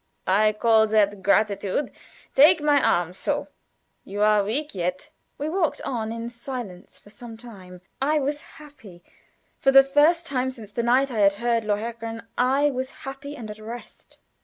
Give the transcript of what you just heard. "I call that gratitude. Take my arm so. You are weak yet." We walked on in silence for some time. I was happy; for the first time since the night I had heard "Lohengrin" I was happy and at rest.